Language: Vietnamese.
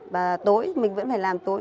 và tối mình vẫn phải dậy sớm